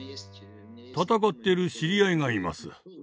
戦っている知り合いがいます。